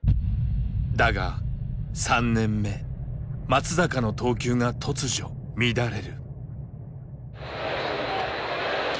だが３年目松坂の投球が突如乱れる。